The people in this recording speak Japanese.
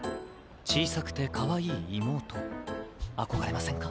小さくてかわいい妹憧れませんか？